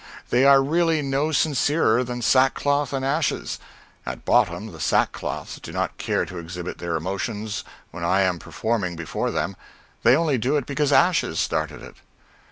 They are really no sincerer than Sackcloth and Ashes. At bottom the Sackcloths do not care to exhibit their emotions when I am performing before them, they only do it because Ashes started it.